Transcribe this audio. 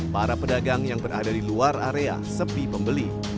para pedagang yang berada di luar area sepi pembeli